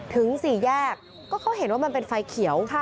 ถึงสี่แยกก็เขาเห็นว่ามันเป็นไฟเขียว